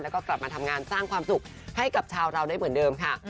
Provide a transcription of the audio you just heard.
แล้วก็กลับมาทำงานสร้างความสุขให้กับชาวเราได้เหมือนเดิมค่ะ